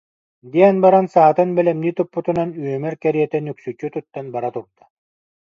диэн баран саатын бэлэмнии туппутунан, үөмэр кэ- риэтэ нүксүччү туттан бара турда